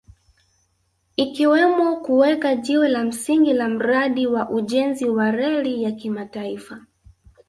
ikiwemo kuweka jiwe la msingi la mradi wa ujenzi wa reli ya kimataifa